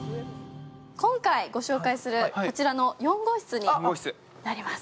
今回ご紹介するのはこちらの４号室になります。